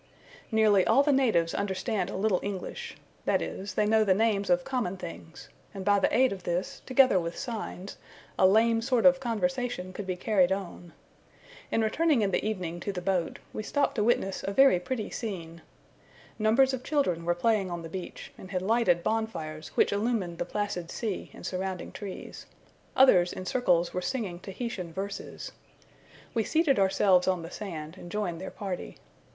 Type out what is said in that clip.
Nearly all the natives understand a little English that is, they know the names of common things; and by the aid of this, together with signs, a lame sort of conversation could be carried on. In returning in the evening to the boat, we stopped to witness a very pretty scene. Numbers of children were playing on the beach, and had lighted bonfires which illumined the placid sea and surrounding trees; others, in circles, were singing Tahitian verses. We seated ourselves on the sand, and joined their party.